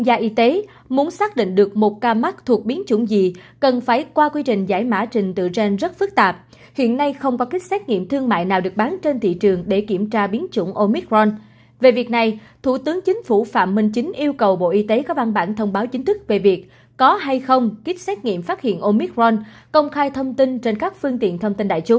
bên cạnh đó trước phản ánh của báo chí về tình trạng ra bán trả nàn ký xét nghiệm phát hiện omicron thủ tướng chính phủ phạm minh chính yêu cầu bộ y tế có văn bản thông báo chính thức về việc có hay không ký xét nghiệm phát hiện omicron